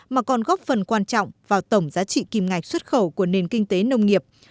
mà còn góp phần quan trọng vào tổng giá trị kim ngạch xuất khẩu của nền kinh tế nông nghiệp